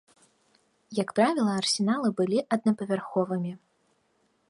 Як правіла арсеналы былі аднапавярховымі.